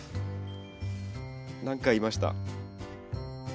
何かいました。